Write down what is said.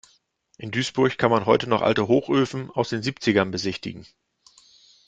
In Duisburg kann man heute noch alte Hochöfen aus den Siebzigern besichtigen.